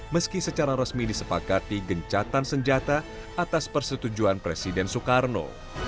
meski secara resmi disepakati gencatan senjata atas persetujuan presiden soekarno